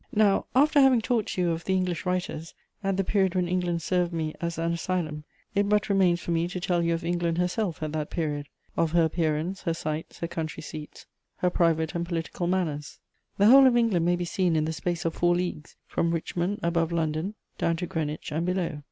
* Now, after having talked to you of the English writers, at the period when England served me as an asylum, it but remains for me to tell you of England herself at that period, of her appearance, her sites, her country seats, her private and political manners. The whole of England may be seen in the space of four leagues, from Richmond, above London, down to Greenwich and below.